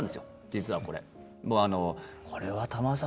実はこれ。